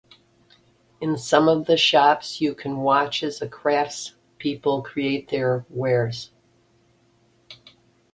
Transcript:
In some of the shops you can watch as the craftspeople create their wares.